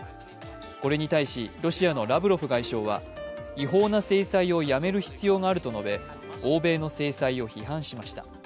これに対し、ロシアのラブロフ外相は違法な制裁をやめる必要があると述べ欧米の制裁を批判しました。